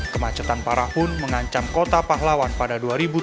kemacetan parah pun mengancam kota pahlawan pada dua ribu tujuh belas